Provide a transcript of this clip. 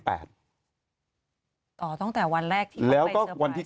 อ๋อตั้งแต่วันแรกที่เขาไปเซอร์ไพรส์